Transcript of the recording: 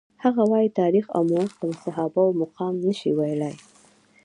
هغه وايي تاریخ او مورخ د صحابه وو مقام نشي ویلای.